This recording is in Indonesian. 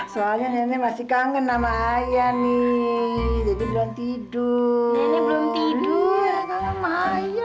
soalnya nenek masih kangen sama ayah nih jadi belum tidur ini belum tidur